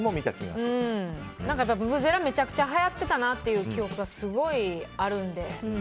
ブブゼラ、めちゃくちゃはやってたなという記憶がすごいあるんで。